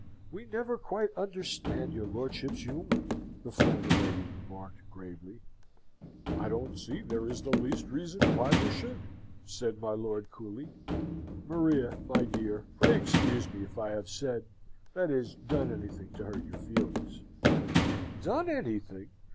"We never quite understand your lordship's humour," the former lady remarked, gravely. "I don't see there is the least reason why you should," said my lord, coolly. "Maria, my dear, pray excuse me if I have said that is, done anything, to hurt your feelings." "Done anything!